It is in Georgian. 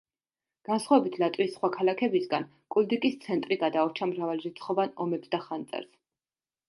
განსხვავებით ლატვიის სხვა ქალაქებისაგან, კულდიგის ცენტრი გადაურჩა მრავალრიცხოვან ომებს და ხანძარს.